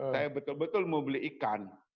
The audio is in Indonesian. saya betul betul mau beli ikan